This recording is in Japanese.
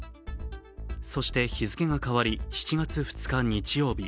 そして、日付が変わり７月２日日曜日。